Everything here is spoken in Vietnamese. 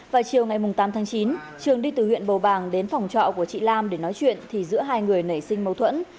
vào chiều ngày tám tháng chín trường đi từ huyện bầu bàng đến phòng trọ của chị lam để nói chuyện thì giữa hai người nảy sinh mâu thuẫn